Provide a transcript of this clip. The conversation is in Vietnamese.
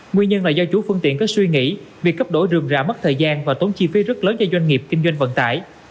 nguyên nhân là do chủ phương tiện có suy nghĩ việc cấp đổi rừng rà mất thời gian và tốn chi phí rất lớn cho doanh nghiệp kinh doanh vận tải